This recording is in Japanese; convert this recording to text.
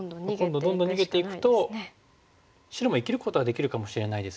どんどんどんどん逃げていくと白も生きることができるかもしれないです